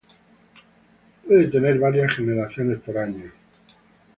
Pueden tener varias generaciones por año.